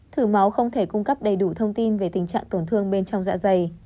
thử máu không thể cung cấp đầy đủ thông tin về tình trạng tổn thương bên trong dạ dày